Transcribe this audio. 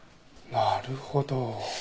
なるほど。